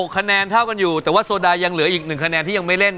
คะแนนเท่ากันอยู่แต่ว่าโซดายังเหลืออีก๑คะแนนที่ยังไม่เล่น